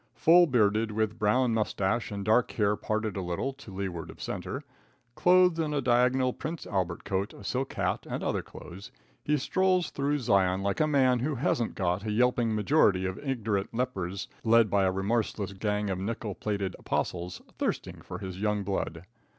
Full bearded, with brown moustache and dark hair parted a little to leeward of center; clothed in a diagonal Prince Albert coat, a silk hat and other clothes, he strolls through Zion like a man who hasn't got a yelping majority of ignorant lepers, led by a remorseless gang of nickel plated apostles, thirsting for his young blood.